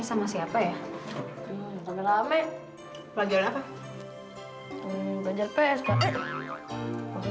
amul pengaruh ya